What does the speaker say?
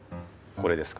これですか？